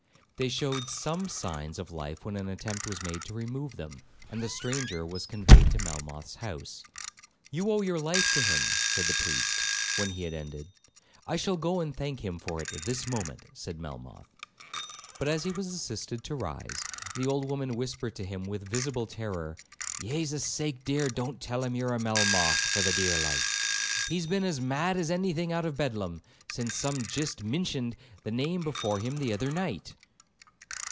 They shewed some signs of life when an attempt was made to remove them, and the stranger was conveyed to Melmoth's house. 'You owe your life to him,' said the priest, when he had ended. 'I shall go and thank him for it this moment,' said Melmoth; but as he was assisted to rise, the old woman whispered to him with visible terror, 'Jasus' sake, dear, don't tell him ye're a Melmoth, for the dear life! he has been as mad as any thing out of Bedlam, since some jist mintioned the name before him the ither night.'